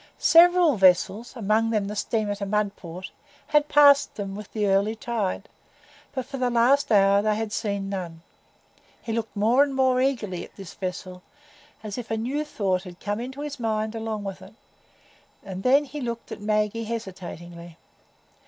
Several vessels, among them the steamer to Mudport, had passed them with the early tide, but for the last hour they had seen none. He looked more and more eagerly at this vessel, as if a new thought had come into his mind along with it, and then he looked at Maggie hesitatingly.